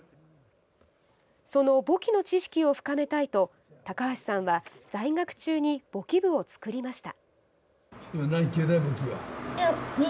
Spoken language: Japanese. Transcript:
その簿記の知識を深めたいと高橋さんは在学中に簿記部を作りました。